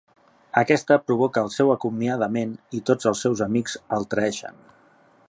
Aquesta provoca el seu acomiadament i tots els seus amics el traeixen.